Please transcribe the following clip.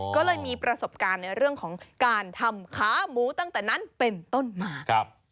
ก็เลยมีประสบการณ์ในเรื่องของการทำขาหมูตั้งแต่นั้นเป็นต้นมา